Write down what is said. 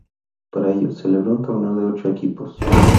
Para ello, celebró un torneo de ocho equipos.